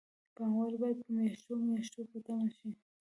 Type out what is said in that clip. پانګوال باید په میاشتو میاشتو په تمه شي